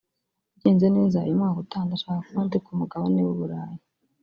bigenze neza umwaka utaha ndashaka kuba ndi ku mugabane w’i Burayi